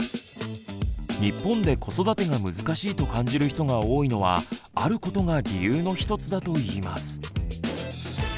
日本で子育てが難しいと感じる人が多いのはあることが理由の一つだといいます。